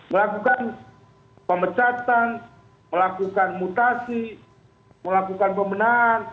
melakukan pemecatan melakukan mutasi melakukan pembenahan